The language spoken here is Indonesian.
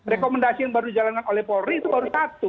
rekomendasi yang baru dijalankan oleh polri itu baru satu